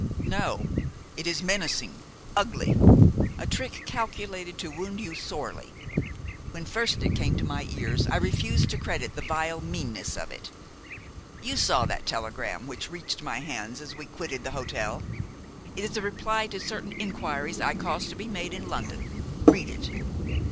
"No. It is menacing, ugly, a trick calculated to wound you sorely. When first it came to my ears I refused to credit the vile meanness of it. You saw that telegram which reached my hands as we quitted the hotel? It is a reply to certain inquiries I caused to be made in London. Read it."